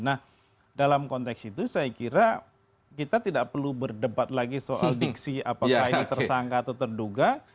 nah dalam konteks itu saya kira kita tidak perlu berdebat lagi soal diksi apakah ini tersangka atau terduga